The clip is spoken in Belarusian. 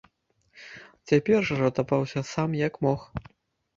Цяпер жа ратаваўся сам як мог.